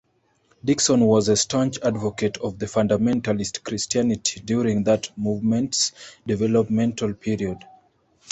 Dixon was a staunch advocate of Fundamentalist Christianity during that movement's developmental period.